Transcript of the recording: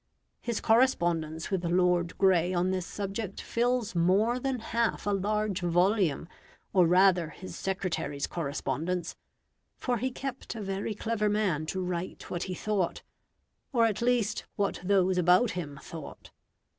His correspondence with Lord Grey on this subject fills more than half a large volume, or rather his secretary's correspondence, for he kept a very clever man to write what he thought, or at least what those about him thought.